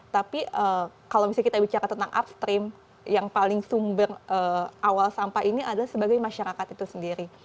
tapi kalau misalnya kita bicara tentang upstream yang paling sumber awal sampah ini adalah sebagai masyarakat itu sendiri